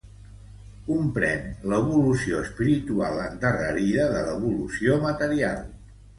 Comprén l'evolució espiritual endarrerida de l'evolució material.